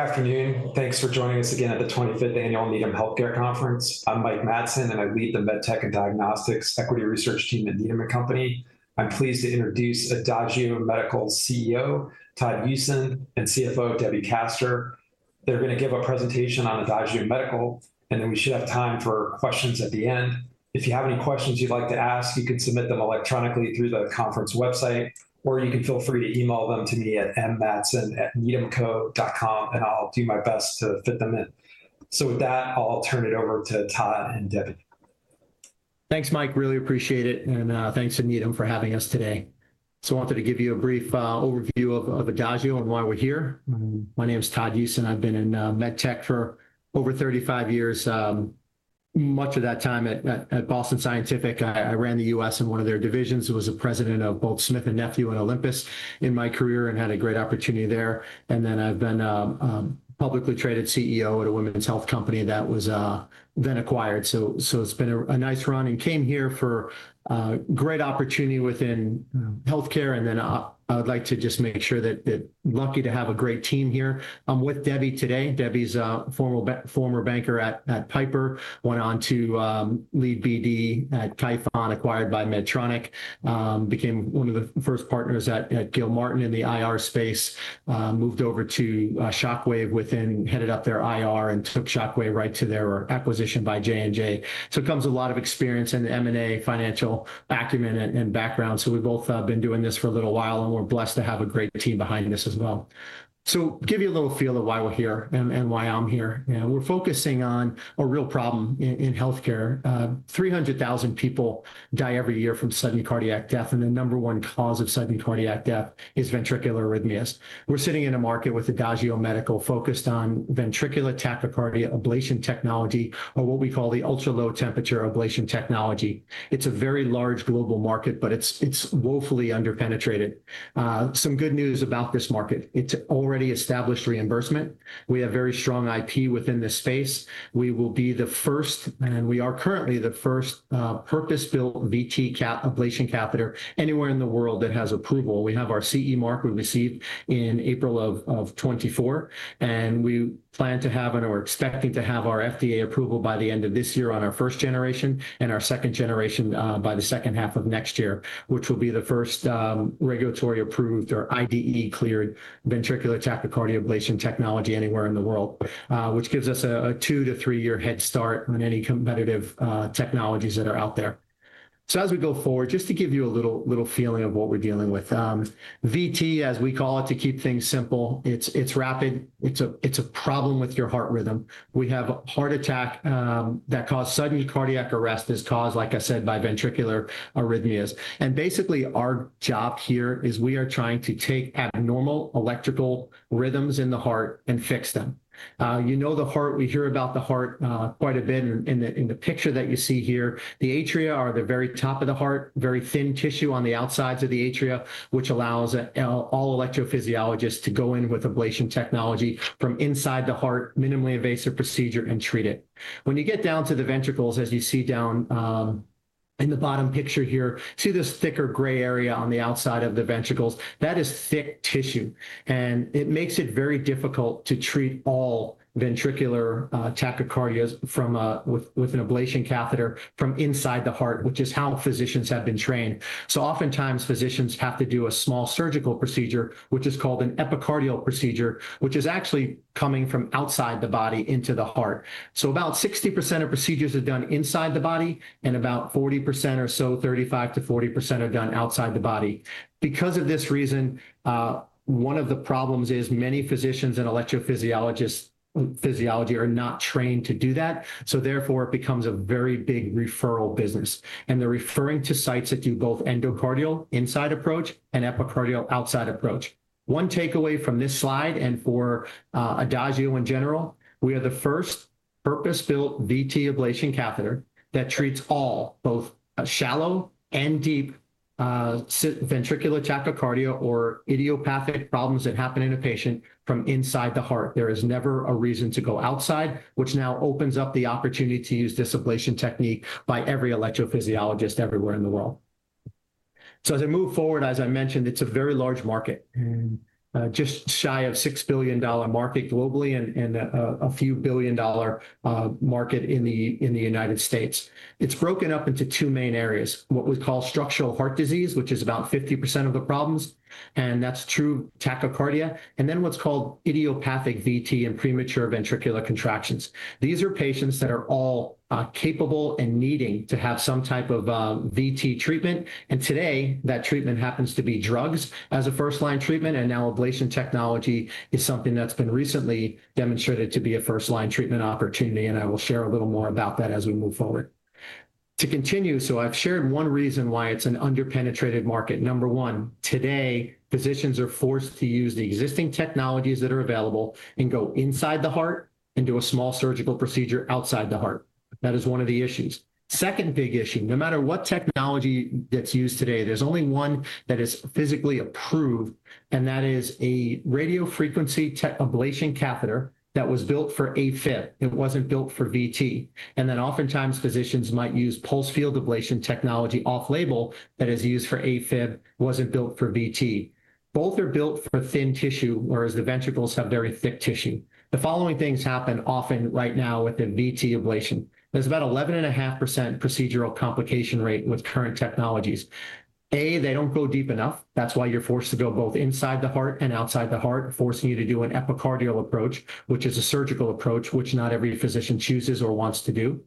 Good afternoon. Thanks for joining us again at the 25th Annual Needham Healthcare Conference. I'm Mike Matson, I lead the MedTech and Diagnostics Equity Research team at Needham & Company. I'm pleased to introduce Adagio Medical's CEO, Todd Usen, and CFO, Debbie Kaster. They're going to give a presentation on Adagio Medical, we should have time for questions at the end. If you have any questions you'd like to ask, you can submit them electronically through the conference website, you can feel free to email them to me at mmatson@needhamco.com, I'll do my best to fit them in. So with that, I'll turn it over to Todd and Debbie. Thanks, Mike, really appreciate it. Thanks to Needham for having us today. Wanted to give you a brief overview of Adagio and why we're here. My name's Todd Usen. I've been in MedTech for over 35 years, much of that time at Boston Scientific. I ran the U.S. in one of their divisions. Was a president of both Smith & Nephew and Olympus in my career, had a great opportunity there. I've been a publicly traded CEO at a women's health company that was then acquired. It's been a nice run, came here for a great opportunity within healthcare. I would like to just make sure that, lucky to have a great team here. I'm with Debbie today. Debbie's a former Banker at Piper. Went on to lead BD at Kyphon, acquired by Medtronic. Became one of the first partners at Gilmartin in the IR space. Moved over to Shockwave, headed up their IR and took Shockwave right to their acquisition by J&J. Comes a lot of experience in the M&A financial acumen and background. We both have been doing this for a little while, we're blessed to have a great team behind this as well. Give you a little feel of why we're here and why I'm here. We're focusing on a real problem in healthcare. 300,000 people die every year from sudden cardiac death, the number one cause of sudden cardiac death is ventricular arrhythmias. We're sitting in a market with Adagio Medical focused on ventricular tachycardia ablation technology, or what we call the ultra-low temperature ablation technology. It's a very large global market, it's woefully under-penetrated. Some good news about this market, it's already established reimbursement. We have very strong IP within this space. We will be the first, we are currently the first purpose-built VT ablation catheter anywhere in the world that has approval. We have our CE mark we received in April of 2024, we plan to have, and are expecting to have, our FDA approval by the end of this year on our first generation, our second generation by the second half of next year, which will be the first regulatory-approved or IDE-cleared ventricular tachycardia ablation technology anywhere in the world. Which gives us a two to three-year head start on any competitive technologies that are out there. As we go forward, just to give you a little feeling of what we're dealing with. VT, as we call it to keep things simple, it's rapid. It's a problem with your heart rhythm. We have heart attacks that cause sudden cardiac arrest, is caused, like I said, by ventricular arrhythmias. Basically, our job here is we are trying to take abnormal electrical rhythms in the heart and fix them. You know the heart. We hear about the heart quite a bit. In the picture that you see here, the atria are the very top of the heart, very thin tissue on the outsides of the atria, which allows all electrophysiologists to go in with ablation technology from inside the heart, minimally invasive procedure, and treat it. When you get down to the ventricles, as you see down in the bottom picture here, see this thicker gray area on the outside of the ventricles. That is thick tissue, it makes it very difficult to treat all ventricular tachycardias with an ablation catheter from inside the heart, which is how physicians have been trained. Oftentimes, physicians have to do a small surgical procedure, which is called an epicardial procedure, which is actually coming from outside the body into the heart. About 60% of procedures are done inside the body and about 40% or so, 35%-40%, are done outside the body. Because of this reason, one of the problems is many physicians and electrophysiology are not trained to do that, therefore it becomes a very big referral business. They're referring to sites that do both endocardial, inside approach, and epicardial, outside approach. One takeaway from this slide, for Adagio in general, we are the first purpose-built VT ablation catheter that treats all, both shallow and deep, ventricular tachycardia or idiopathic problems that happen in a patient from inside the heart. There is never a reason to go outside, which now opens up the opportunity to use this ablation technique by every electrophysiologist everywhere in the world. As I move forward, as I mentioned, it's a very large market just shy of a $6 billion market globally and a few billion-dollar market in the United States. It's broken up into two main areas, what we call structural heart disease, which is about 50% of the problems, that's true tachycardia. What's called idiopathic VT and premature ventricular contractions. These are patients that are all capable and needing to have some type of VT treatment, today that treatment happens to be drugs as a first-line treatment, now ablation technology is something that's been recently demonstrated to be a first-line treatment opportunity, I will share a little more about that as we move forward. To continue, I've shared one reason why it's an under-penetrated market. Number one, today, physicians are forced to use the existing technologies that are available and go inside the heart and do a small surgical procedure outside the heart. That is one of the issues. Second big issue, no matter what technology that's used today, there's only one that is physically approved, that is a radiofrequency ablation catheter that was built for AFib. It wasn't built for VT. Oftentimes, physicians might use pulsed field ablation technology off-label that is used for AFib, wasn't built for VT. Both are built for thin tissue, whereas the ventricles have very thick tissue. The following things happen often right now with the VT ablation. There's about 11.5% procedural complication rate with current technologies. They don't go deep enough. That's why you're forced to go both inside the heart and outside the heart, forcing you to do an epicardial approach, which is a surgical approach which not every physician chooses or wants to do.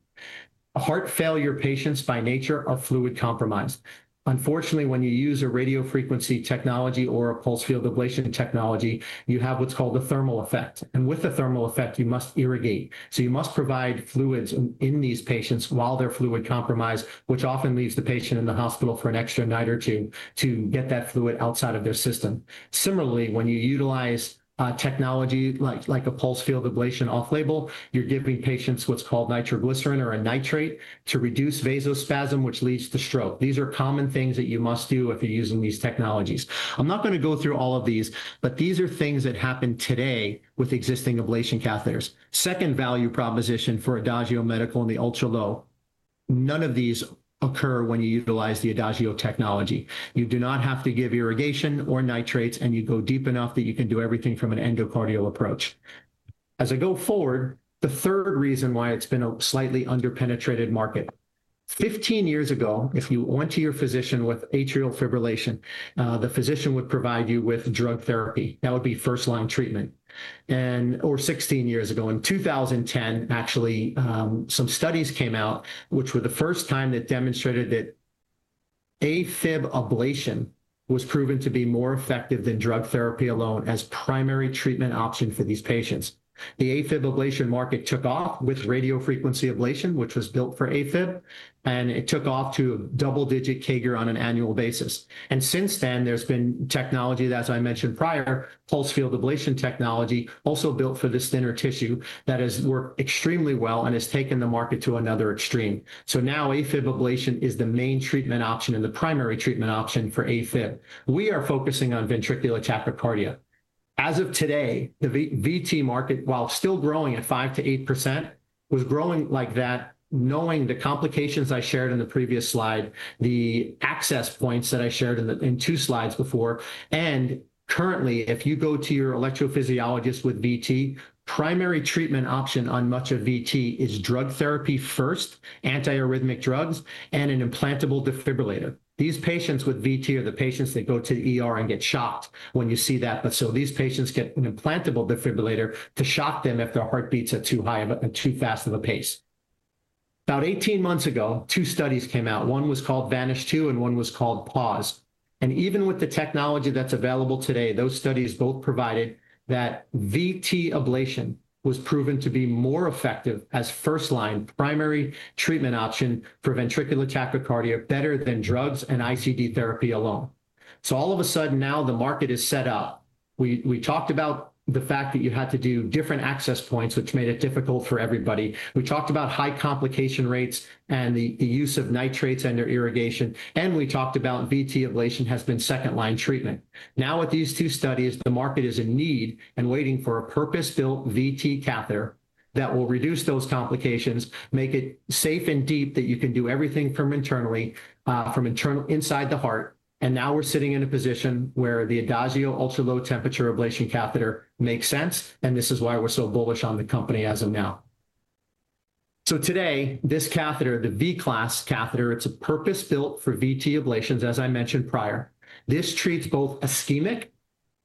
Heart failure patients, by nature, are fluid-compromised. Unfortunately, when you use a radiofrequency technology or a pulsed field ablation technology, you have what's called a thermal effect. With a thermal effect, you must irrigate. You must provide fluids in these patients while they're fluid-compromised, which often leaves the patient in the hospital for an extra night or two to get that fluid outside of their system. Similarly, when you utilize technology like a pulsed field ablation off-label, you're giving patients what's called nitroglycerin or a nitrate to reduce vasospasm, which leads to stroke. These are common things that you must do if you're using these technologies. I'm not going to go through all of these, but these are things that happen today with existing ablation catheters. Second value proposition for Adagio Medical and the ultra low. None of these occur when you utilize the Adagio technology. You do not have to give irrigation or nitrates, and you go deep enough that you can do everything from an endocardial approach. The third reason why it's been a slightly under-penetrated market. 15 years ago, if you went to your physician with atrial fibrillation, the physician would provide you with drug therapy. That would be first-line treatment. And over 16 years ago, in 2010, actually, some studies came out which were the first time that demonstrated that AFib ablation was proven to be more effective than drug therapy alone as primary treatment option for these patients. The AFib ablation market took off with radiofrequency ablation, which was built for AFib, and it took off to double-digit CAGR on an annual basis. Since then, there's been technology that, as I mentioned prior, pulsed field ablation technology, also built for this thinner tissue that has worked extremely well and has taken the market to another extreme. Now AFib ablation is the main treatment option and the primary treatment option for AFib. We are focusing on ventricular tachycardia. As of today, the VT market, while still growing at 5%-8%, was growing like that knowing the complications I shared in the previous slide, the access points that I shared in two slides before. Currently, if you go to your electrophysiologist with VT, primary treatment option on much of VT is drug therapy first, antiarrhythmic drugs, and an implantable defibrillator. These patients with VT are the patients that go to the ER and get shocked when you see that. These patients get an implantable defibrillator to shock them if their heartbeats are too high and too fast of a pace. About 18 months ago, two studies came out. One was called VANISH2, and one was called PAUSE. Even with the technology that's available today, those studies both provided that VT ablation was proven to be more effective as first-line primary treatment option for ventricular tachycardia, better than drugs and ICD therapy alone. So, all of a sudden, the market is set up. We talked about the fact that you had to do different access points, which made it difficult for everybody. We talked about high complication rates and the use of nitrates under irrigation, and we talked about VT ablation has been second-line treatment. With these two studies, the market is in need and waiting for a purpose-built VT catheter that will reduce those complications, make it safe and deep that you can do everything from inside the heart. Now we're sitting in a position where the Adagio Ultra-Low Temperature Ablation catheter makes sense. This is why we're so bullish on the company as of now. Today, this catheter, the vCLAS catheter, it's purpose-built for VT ablations, as I mentioned prior. This treats both ischemic,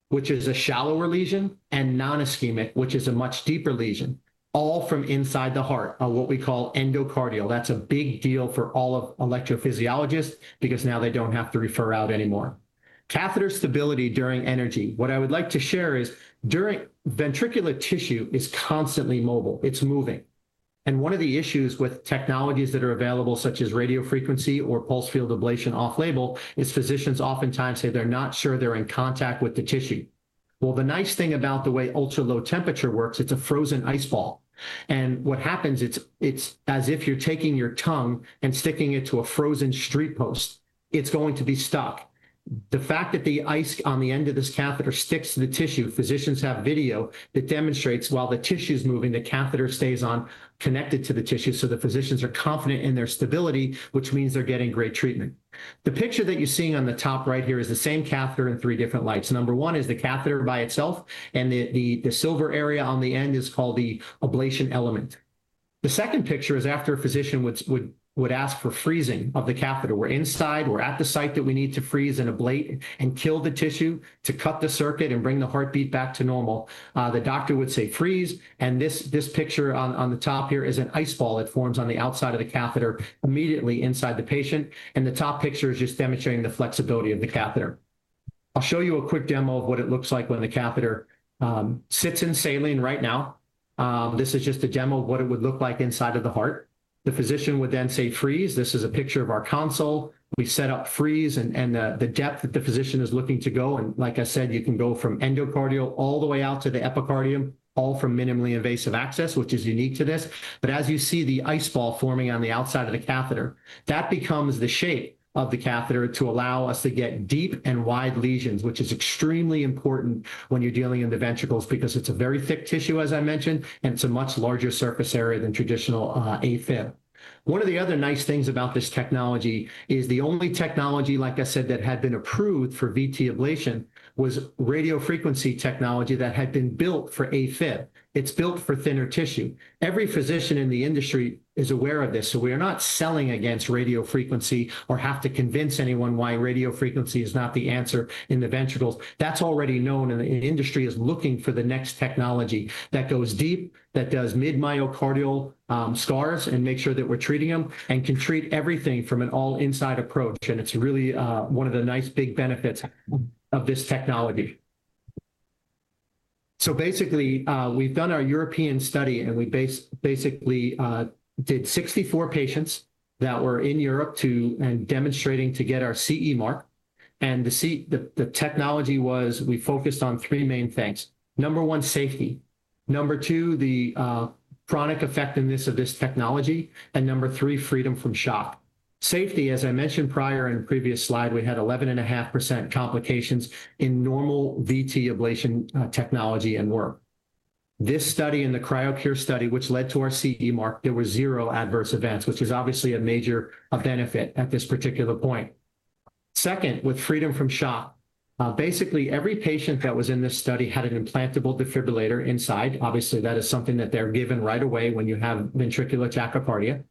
which is a shallower lesion, and non-ischemic, which is a much deeper lesion, all from inside the heart on what we call endocardial. That's a big deal for all of electrophysiologists because now they don't have to refer out anymore. Catheter stability during energy. What I would like to share is ventricular tissue is constantly mobile. It's moving. One of the issues with technologies that are available, such as radiofrequency or pulsed field ablation off-label, is physicians oftentimes say they're not sure they're in contact with the tissue. Well, the nice thing about the way ultra-low temperature works, it's a frozen ice ball. What happens, it's as if you're taking your tongue and sticking it to a frozen street post. It's going to be stuck. The fact that the ice on the end of this catheter sticks to the tissue, physicians have video that demonstrates while the tissue's moving, the catheter stays on connected to the tissue, so the physicians are confident in their stability, which means they're getting great treatment. The picture that you're seeing on the top right here is the same catheter in three different lights. Number one is the catheter by itself, and the silver area on the end is called the ablation element. The second picture is after a physician would ask for freezing of the catheter. We're inside, we're at the site that we need to freeze and ablate and kill the tissue to cut the circuit and bring the heartbeat back to normal. The doctor would say, "Freeze." This picture on the top here is an ice ball. It forms on the outside of the catheter immediately inside the patient. The top picture is just demonstrating the flexibility of the catheter. I'll show you a quick demo of what it looks like when the catheter sits in saline right now. This is just a demo of what it would look like inside of the heart. The physician would then say, "Freeze." This is a picture of our console. We set up freeze and the depth that the physician is looking to go. Like I said, you can go from endocardial all the way out to the epicardium, all from minimally invasive access, which is unique to this. As you see the ice ball forming on the outside of the catheter, that becomes the shape of the catheter to allow us to get deep and wide lesions, which is extremely important when you're dealing in the ventricles because it's a very thick tissue, as I mentioned, and it's a much larger surface area than traditional AFib. One of the other nice things about this technology is the only technology, like I said, that had been approved for VT ablation was radiofrequency technology that had been built for AFib. It's built for thinner tissue. Every physician in the industry is aware of this. We are not selling against radiofrequency or have to convince anyone why radiofrequency is not the answer in the ventricles. That's already known, and the industry is looking for the next technology that goes deep, that does mid-myocardial scars and makes sure that we're treating them, and can treat everything from an all-inside approach. It's really one of the nice big benefits of this technology. Basically, we've done our European study, and we basically did 64 patients that were in Europe and demonstrating to get our CE mark. The technology was we focused on three main things. Number one, safety. Number two, the chronic effectiveness of this technology. Number three, freedom from shock. Safety, as I mentioned prior in a previous slide, we had 11.5% complications in normal VT ablation technology and work. This study and the Cryocure study, which led to our CE mark, there were zero adverse events, which is obviously a major benefit at this particular point. Second, with freedom from shock. Basically, every patient that was in this study had an implantable defibrillator inside. Obviously, that is something that they're given right away when you have ventricular tachycardia.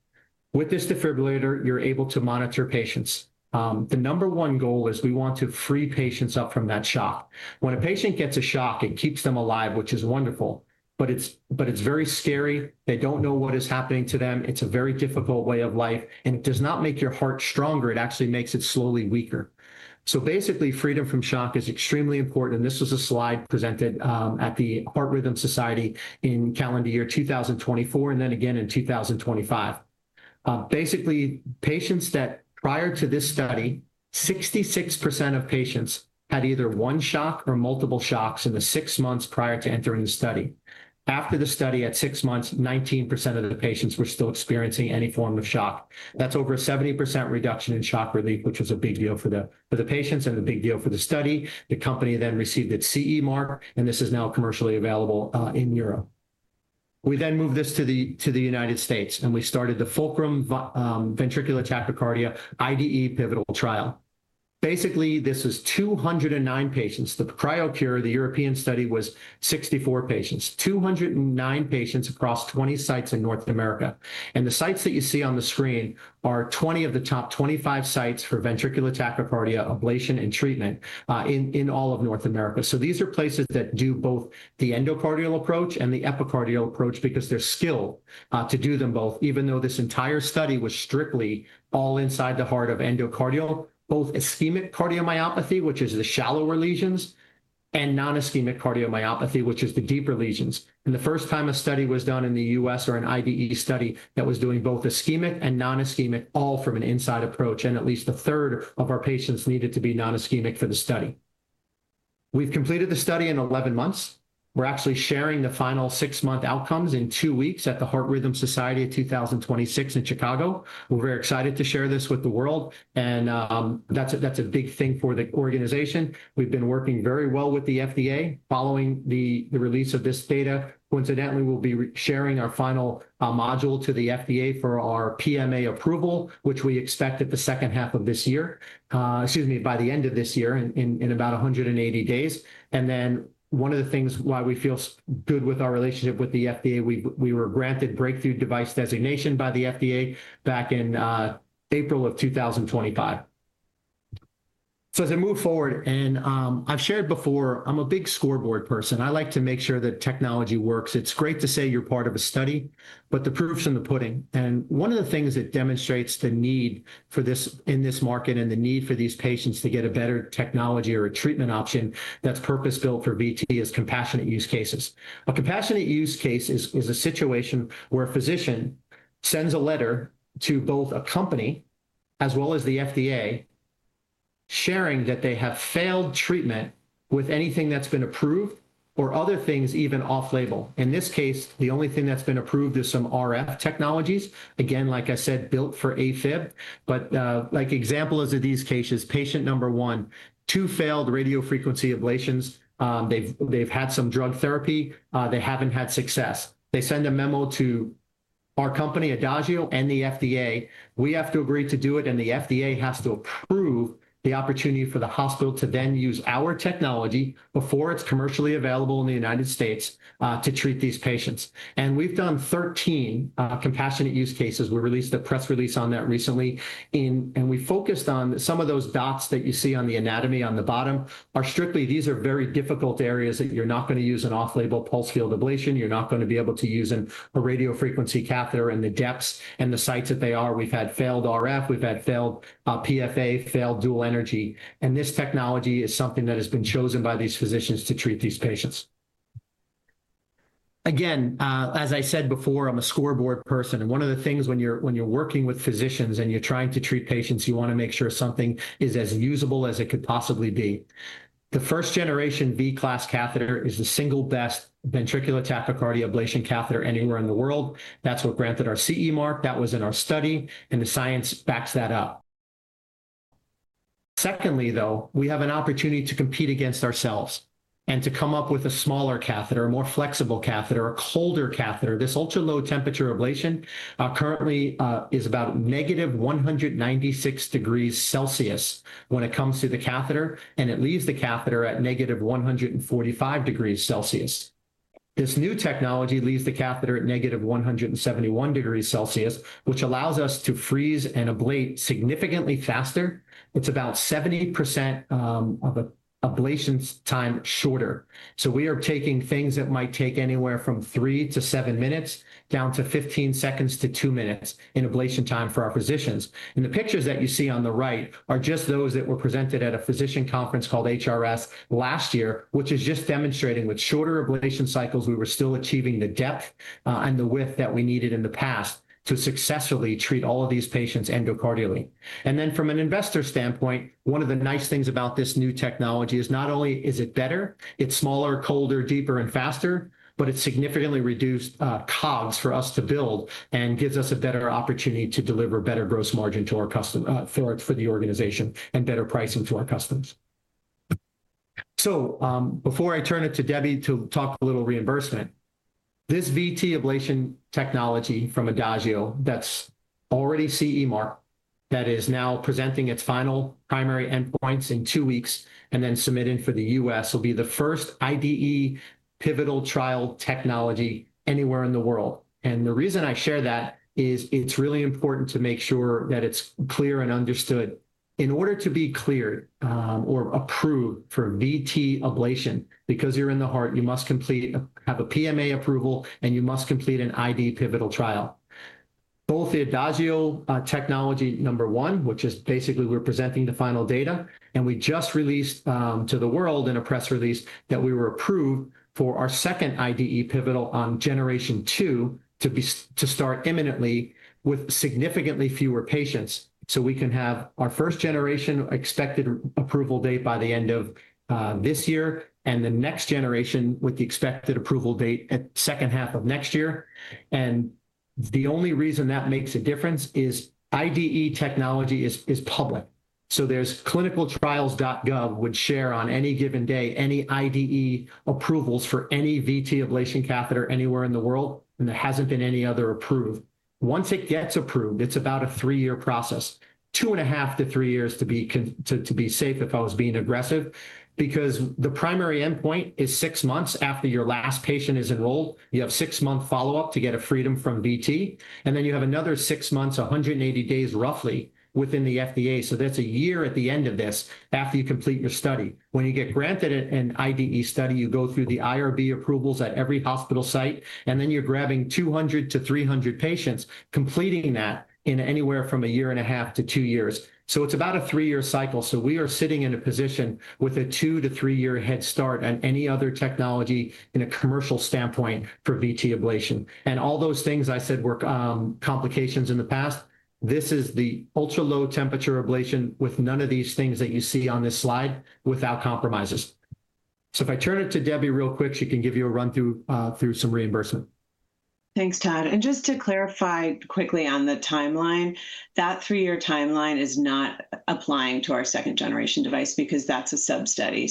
With this defibrillator, you're able to monitor patients. The number one goal is we want to free patients up from that shock. When a patient gets a shock, it keeps them alive, which is wonderful, but it's very scary. They don't know what is happening to them. It's a very difficult way of life, and it does not make your heart stronger. It actually makes it slowly weaker. So, basically, freedom from shock is extremely important, and this was a slide presented at the Heart Rhythm Society in calendar year 2024 and then again in 2025. Basically, patients that prior to this study, 66% of patients had either one shock or multiple shocks in the six months prior to entering the study. After the study at six months, 19% of the patients were still experiencing any form of shock. That's over a 70% reduction in shock relief, which was a big deal for the patients and a big deal for the study. The company then received its CE mark, and this is now commercially available in Europe. We then moved this to the United States, and we started the FULCRUM Ventricular Tachycardia IDE Pivotal Trial. Basically, this is 209 patients. The Cryocure, the European study, was 64 patients. 209 patients across 20 sites in North America. The sites that you see on the screen are 20 of the top 25 sites for ventricular tachycardia ablation and treatment in all of North America. These are places that do both the endocardial approach and the epicardial approach because their skill to do them both, even though this entire study was strictly all inside the heart of endocardial, both ischemic cardiomyopathy, which is the shallower lesions, and non-ischemic cardiomyopathy, which is the deeper lesions. The first time a study was done in the U.S. or an IDE study that was doing both ischemic and non-ischemic all from an inside approach, and at least a third of our patients needed to be non-ischemic for the study. We've completed the study in 11 months. We're actually sharing the final six-month outcomes in two weeks at the Heart Rhythm Society of 2026 in Chicago. We're very excited to share this with the world, and that's a big thing for the organization. We've been working very well with the FDA following the release of this data. Coincidentally, we'll be sharing our final module to the FDA for our PMA approval, which we expect at the second half of this year. Excuse me, by the end of this year in about 180 days. One of the things why we feel good with our relationship with the FDA, we were granted Breakthrough Device designation by the FDA back in April of 2025. As I move forward, and I've shared before, I'm a big scoreboard person. I like to make sure that technology works. It's great to say you're part of a study, but the proof's in the pudding. One of the things that demonstrates the need in this market and the need for these patients to get a better technology or a treatment option that's purpose-built for VT is compassionate use cases. A compassionate use case is a situation where a physician sends a letter to both a company as well as the FDA sharing that they have failed treatment with anything that's been approved or other things even off-label. In this case, the only thing that's been approved is some RF technologies. Again, like I said, built for AFib. Like examples of these cases, patient number one, two failed radiofrequency ablations. They've had some drug therapy. They haven't had success. They send a memo to our company, Adagio, and the FDA. We have to agree to do it, the FDA has to approve the opportunity for the hospital to then use our technology before it's commercially available in the United States to treat these patients. We've done 13 compassionate use cases. We released a press release on that recently. We focused on some of those dots that you see on the anatomy on the bottom are strictly these are very difficult areas that you're not going to use an off-label pulsed field ablation. You're not going to be able to use a radiofrequency catheter in the depths and the sites that they are. We've had failed RF, we've had failed PFA, failed dual energy, and this technology is something that has been chosen by these physicians to treat these patients. As I said before, I'm a scoreboard person, and one of the things when you're working with physicians and you're trying to treat patients, you want to make sure something is as usable as it could possibly be. The first-generation vCLAS catheter is the single best ventricular tachycardia ablation catheter anywhere in the world. That's what granted our CE mark. That was in our study, and the science backs that up. Secondly, though, we have an opportunity to compete against ourselves and to come up with a smaller catheter, a more flexible catheter, a colder catheter. This ultra-low temperature ablation currently is about -196 degrees Celsius when it comes to the catheter, and it leaves the catheter at -145 degrees Celsius. This new technology leaves the catheter at -171 degrees Celsius, which allows us to freeze and ablate significantly faster. It's about 70% of ablation time shorter. We are taking things that might take anywhere from three to seven minutes, down to 15 seconds to two minutes in ablation time for our physicians. The pictures that you see on the right are just those that were presented at a physician conference called HRS last year, which is just demonstrating with shorter ablation cycles, we were still achieving the depth and the width that we needed in the past to successfully treat all of these patients endocardially. From an investor standpoint, one of the nice things about this new technology is not only is it better, it's smaller, colder, deeper and faster, but it significantly reduced COGS for us to build and gives us a better opportunity to deliver better gross margin for the organization and better pricing to our customers. Before I turn it to Debbie to talk a little reimbursement, this VT ablation technology from Adagio that's already CE mark, that is now presenting its final primary endpoints in two weeks and then submitted for the U.S., will be the first IDE pivotal trial technology anywhere in the world. The reason I share that is it's really important to make sure that it's clear and understood. In order to be cleared or approved for VT ablation, because you're in the heart, you must have a PMA approval and you must complete an IDE pivotal trial. Both the Adagio technology number one, which is basically we're presenting the final data, and we just released to the world in a press release that we were approved for our second IDE pivotal on generation two to start imminently with significantly fewer patients. We can have our first-generation expected approval date by the end of this year, and the next generation with the expected approval date at second half of next year. The only reason that makes a difference is IDE technology is public. clinicaltrials.gov would share on any given day any IDE approvals for any VT ablation catheter anywhere in the world, and there hasn't been any other approved. Once it gets approved, it's about a three-year process, two and a half to three years to be safe if I was being aggressive, because the primary endpoint is six months after your last patient is enrolled. You have six-month follow-up to get a freedom from VT, and then you have another six months, 180 days roughly, within the FDA. That's a year at the end of this, after you complete your study. When you get granted an IDE study, you go through the IRB approvals at every hospital site, and then you're grabbing 200 to 300 patients, completing that in anywhere from a 1.5 years to two years. It's about a three-year cycle. We are sitting in a position with a two to three-year head start on any other technology in a commercial standpoint for VT ablation. All those things I said were complications in the past, this is the ultra-low temperature ablation with none of these things that you see on this slide, without compromises. If I turn it to Debbie real quick, she can give you a run-through through some reimbursement. Thanks, Todd. Just to clarify quickly on the timeline, that three-year timeline is not applying to our second-generation device because that's a sub-study.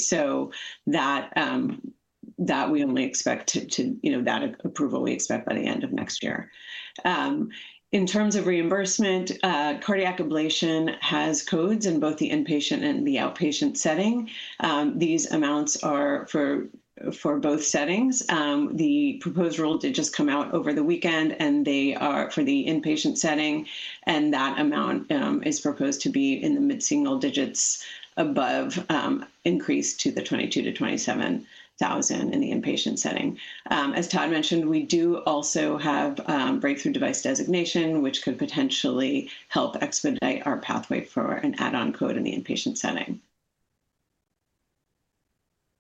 That approval we expect by the end of next year. In terms of reimbursement, cardiac ablation has codes in both the inpatient and the outpatient setting. These amounts are for both settings. The proposed rule did just come out over the weekend, and they are for the inpatient setting, and that amount is proposed to be in the mid-single digits above increase to the $22,000-27,000 in the inpatient setting. As Todd mentioned, we do also have Breakthrough Device designation, which could potentially help expedite our pathway for an add-on code in the inpatient setting.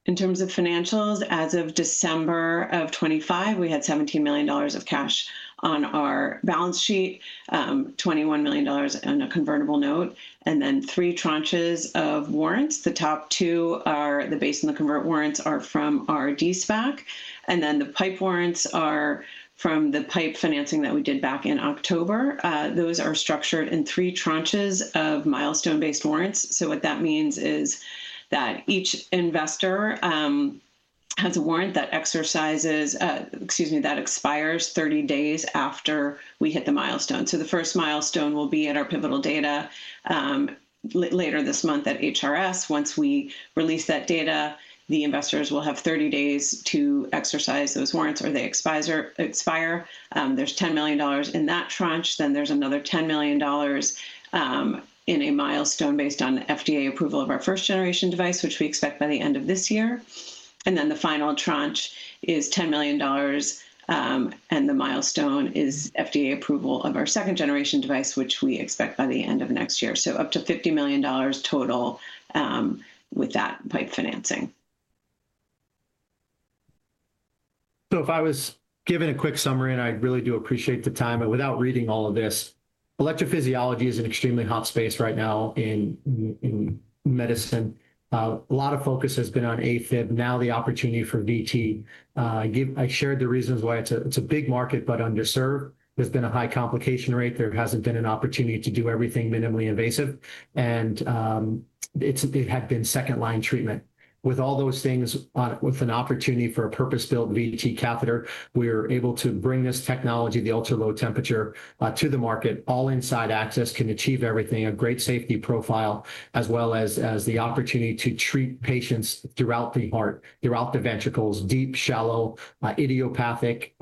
In terms of financials, as of December of 2025, we had $17 million of cash on our balance sheet, $21 million in a convertible note, and then three tranches of warrants. The top two are the base and the convert warrants are from our de-SPAC, and then the PIPE warrants are from the PIPE financing that we did back in October. Those are structured in three tranches of milestone-based warrants. What that means is that each investor has a warrant that, excuse me, expires 30 days after we hit the milestone. The first milestone will be at our pivotal data later this month at HRS. Once we release that data, the investors will have 30 days to exercise those warrants, or they expire. There's $10 million in that tranche, there's another $10 million in a milestone based on FDA approval of our first-generation device, which we expect by the end of this year. The final tranche is $10 million, and the milestone is FDA approval of our second-generation device, which we expect by the end of next year. Up to $50 million total with that PIPE financing. If I was giving a quick summary, and I really do appreciate the time, but without reading all of this, electrophysiology is an extremely hot space right now in medicine. A lot of focus has been on AFib. The opportunity for VT. I shared the reasons why it's a big market, but underserved. There's been a high complication rate. There hasn't been an opportunity to do everything minimally invasive, and it had been second-line treatment. With all those things, with an opportunity for a purpose-built VT catheter, we're able to bring this technology, the ultra-low temperature, to the market. All-inside access can achieve everything, a great safety profile, as well as the opportunity to treat patients throughout the heart, throughout the ventricles, deep, shallow, idiopathic,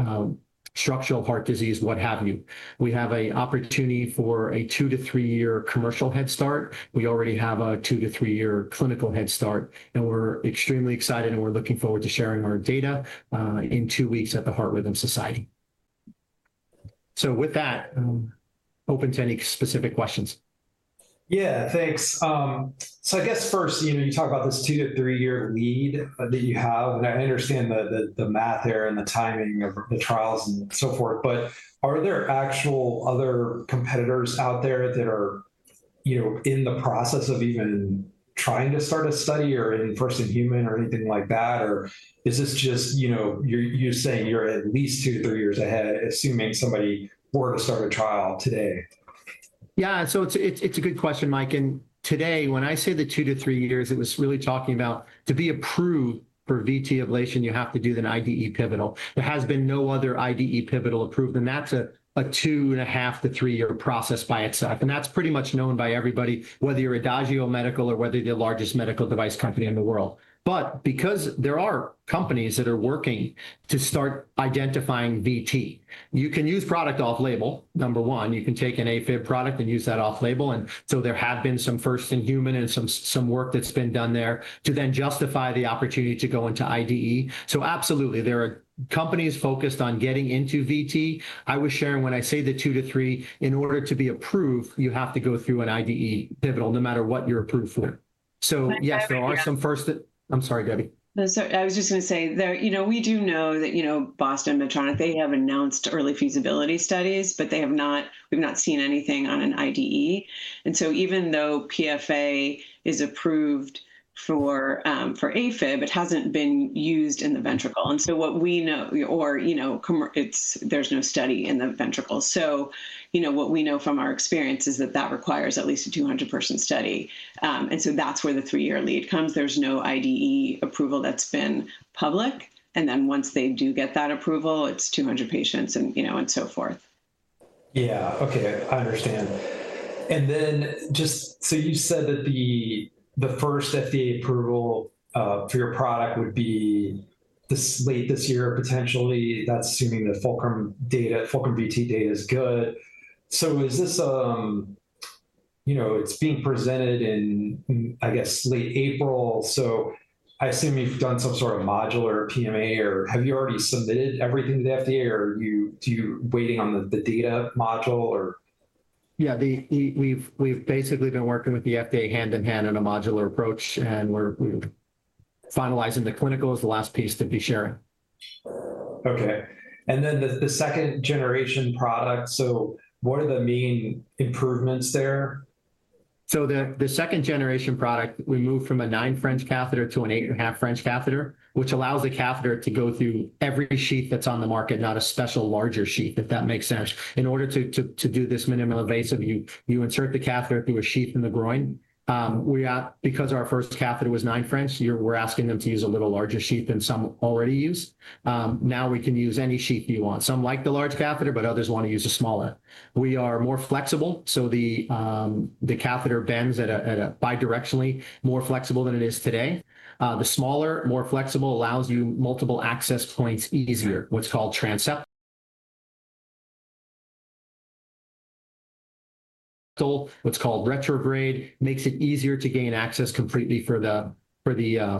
structural heart disease, what have you. We have an opportunity for a two-to-three-year commercial head start. We already have a two-to-three-year clinical head start, and we're extremely excited, and we're looking forward to sharing our data in two weeks at the Heart Rhythm Society. With that, I'm open to any specific questions. Yeah, thanks. I guess first, you talk about this two to three-year lead that you have, and I understand the math there and the timing of the trials and so forth, but are there actual other competitors out there that are in the process of even trying to start a study or in first-in-human or anything like that? Or is this just you saying you're at least two to three years ahead, assuming somebody were to start a trial today? It's a good question, Mike. Today, when I say the two to three years, it was really talking about to be approved for VT ablation, you have to do an IDE pivotal. There has been no other IDE pivotal approved. That's a 2.5 years to three-year process by itself. That's pretty much known by everybody, whether you're Adagio Medical or whether you're the largest medical device company in the world. Because there are companies that are working to start identifying VT, you can use product off-label. Number one, you can take an AFib product and use that off-label. There have been some first-in-human and some work that's been done there to then justify the opportunity to go into IDE. Absolutely, there are companies focused on getting into VT. I was sharing when I say the two to three, in order to be approved, you have to go through an IDE pivotal no matter what you're approved for. Yes. Mike, I would just- I'm sorry, Debbie. I was just going to say, we do know that Boston Scientific, Medtronic, they have announced early feasibility studies, but we've not seen anything on an IDE. Even though PFA is approved for AFib, it hasn't been used in the ventricle. What we know, or there's no study in the ventricle. What we know from our experience is that that requires at least a 200-person study. That's where the three-year lead comes. There's no IDE approval that's been public, once they do get that approval, it's 200 patients and so forth. Yeah. Okay, I understand. You said that the first FDA approval for your product would be late this year, potentially. That's assuming the FULCRUM data-- FULCRUM-VT data's good. It's being presented in, I guess, late April, I assume you've done some sort of modular PMA, or have you already submitted everything to the FDA, or are you waiting on the data module, or? Yeah. We've basically been working with the FDA hand-in-hand on a modular approach, we're finalizing the clinical as the last piece to be sharing. Okay. The second-generation product, what are the main improvements there? The second-generation product, we moved from a nine French catheter to an 8.5 French catheter, which allows the catheter to go through every sheath that's on the market, not a special larger sheath, if that makes sense. In order to do this minimally invasive, you insert the catheter through a sheath in the groin. Because our first catheter was nine French, we're asking them to use a little larger sheath than some already use. Now we can use any sheath you want. Some like the large catheter, but others want to use the smaller. We are more flexible. The catheter bends bidirectionally more flexible than it is today. The smaller, more flexible allows you multiple access points easier, what's called transseptal, what's called retrograde, makes it easier to gain access completely for the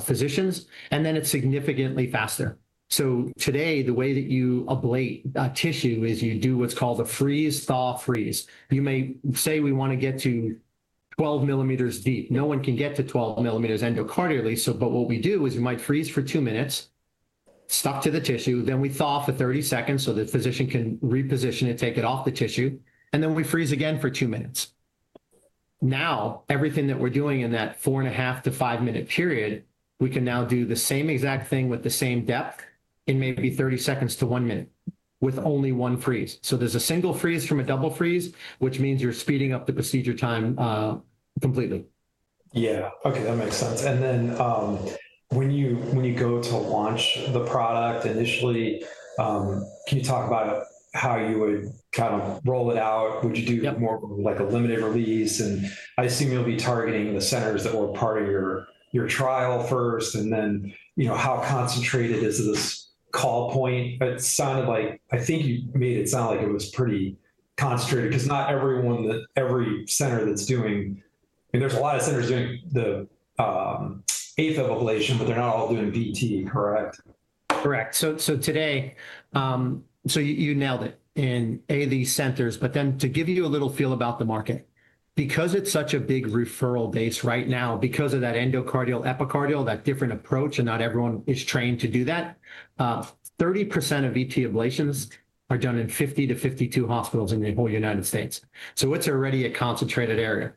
physicians, then it's significantly faster. Today, the way that you ablate tissue is you do what's called a freeze-thaw-freeze. Say we want to get to 12 mm deep. No one can get to 12 mm endocardially, but what we do is we might freeze for two minutes, stuck to the tissue, then we thaw for 30 seconds so the physician can reposition it, take it off the tissue, then we freeze again for two minutes. Now, everything that we're doing in that 4.5 to five-minute period, we can now do the same exact thing with the same depth in maybe 30 seconds to one minute with only one freeze. There's a single freeze from a double freeze, which means you're speeding up the procedure time completely. Yeah. Okay. That makes sense. Then when you go to launch the product initially, can you talk about how you would kind of roll it out? Yep. More of a limited release? I assume you'll be targeting the centers that were part of your trial first, then how concentrated is this call point? I think you made it sound like it was pretty concentrated because not every center that's doing, I mean, there's a lot of centers doing the AFib ablation, but they're not all doing VT, correct? Correct. So today, you nailed it in, A, these centers, to give you a little feel about the market. Because it's such a big referral base right now, because of that endocardial, epicardial, that different approach, and not everyone is trained to do that, 30% of VT ablations are done in 50-52 hospitals in the whole United States It's already a concentrated area.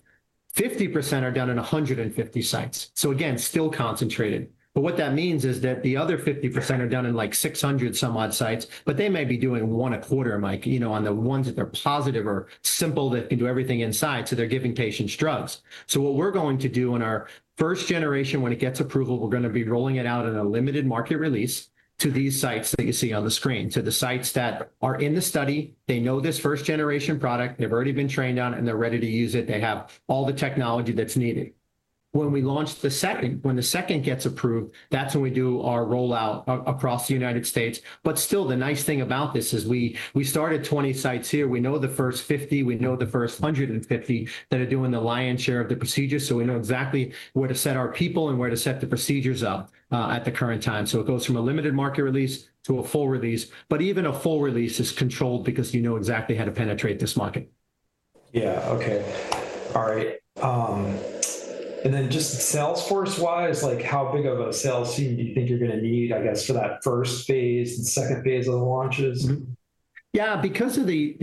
50% are done in 150 sites. Again, still concentrated. What that means is that the other 50% are done in like 600 some odd sites, but they may be doing one a quarter, Mike, on the ones that are positive or simple that can do everything inside, so they're giving patients drugs. What we're going to do in our first generation, when it gets approval, we're going to be rolling it out in a limited market release to these sites that you see on the screen. The sites that are in the study, they know this first-generation product, they've already been trained on it, and they're ready to use it. They have all the technology that's needed. When the second gets approved, that's when we do our rollout across the United States. Still, the nice thing about this is we started 20 sites here. We know the first 50, we know the first 150 that are doing the lion's share of the procedures, we know exactly where to set our people and where to set the procedures up at the current time. It goes from a limited market release to a full release, even a full release is controlled because you know exactly how to penetrate this market. Yeah. Okay. All right. Just Salesforce-wise, how big of a sales team do you think you're going to need, I guess, for that first phase and second phase of the launches? Because of the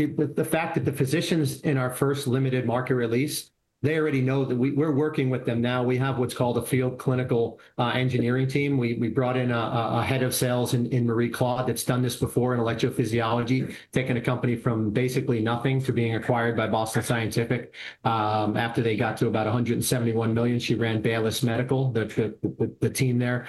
fact that the physicians in our first limited market release, they already know that we're working with them now. We have what's called a field clinical engineering team. We brought in a head of sales in Marie-Claude, that's done this before in electrophysiology, taking a company from basically nothing to being acquired by Boston Scientific. After they got to about $171 million, she ran Baylis Medical, the team there.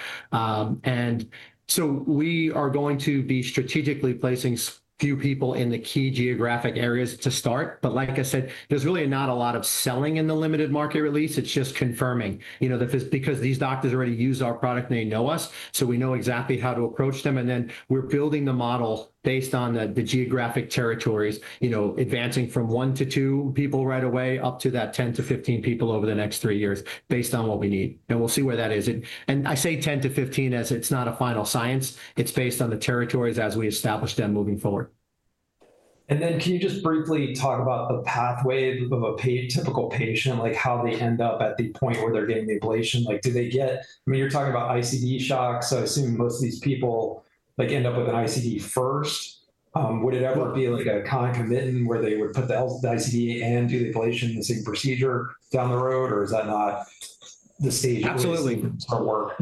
We are going to be strategically placing a few people in the key geographic areas to start. Like I said, there's really not a lot of selling in the limited market release, it's just confirming. Because these doctors already use our product and they know us, we know exactly how to approach them, we're building the model based on the geographic territories, advancing from one to two people right away, up to that 10 to 15 people over the next three years based on what we need. We'll see where that is. I say 10 to 15 as it's not a final science. It's based on the territories as we establish them moving forward. Can you just briefly talk about the pathway of a typical patient, like how they end up at the point where they're getting the ablation? I mean, you're talking about ICD shocks, I assume most of these people end up with an ICD first. Would it ever be like a concomitant where they would put the ICD and do the ablation the same procedure down the road, or is that not the stage where- Absolutely. You see it work?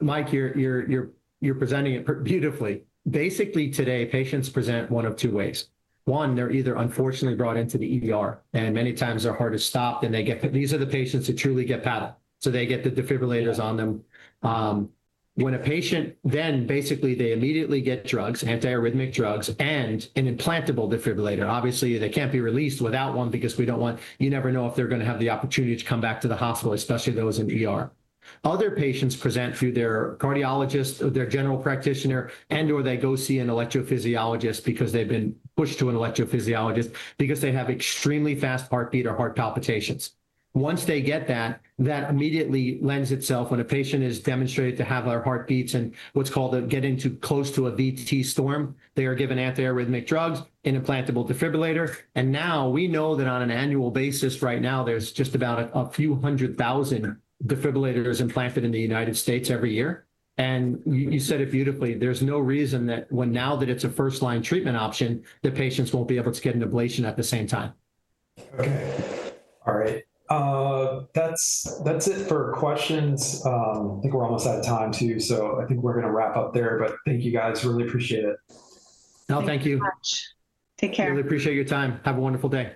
Mike, you're presenting it beautifully. Basically today, patients present one of two ways. One, they're either unfortunately brought into the ER, and many times their heart has stopped and these are the patients that truly get paddled. They get the defibrillators on them. Basically they immediately get drugs, antiarrhythmic drugs, and an implantable defibrillator. Obviously, they can't be released without one because you never know if they're going to have the opportunity to come back to the hospital, especially those in ER. Other patients present through their cardiologist or their general practitioner and/or they go see an electrophysiologist because they've been pushed to an electrophysiologist because they have extremely fast heartbeat or heart palpitations. Once they get that immediately lends itself when a patient is demonstrated to have heartbeats in what's called getting too close to a VT storm, they are given antiarrhythmic drugs, an implantable defibrillator, and now we know that on an annual basis right now, there's just about a few hundred thousand defibrillators implanted in the United States every year. You said it beautifully, there's no reason that when now that it's a first-line treatment option, the patients won't be able to get an ablation at the same time. Okay. All right. That's it for questions. I think we're almost out of time, too, so I think we're going to wrap up there, but thank you guys, really appreciate it. Thank you. Thank you much. Take care. Really appreciate your time. Have a wonderful day.